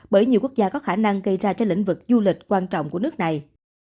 bởi nhiều quốc gia có khả năng gây ra cho lĩnh vực du lịch quan trọng của nước này